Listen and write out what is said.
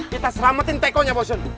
kita selamatin tekonya bosun